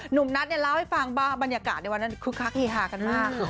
หนุ่มนัทเนี่ยเล่าให้ฟังว่าบรรยากาศในวันนั้นคึกคักเฮฮากันมาก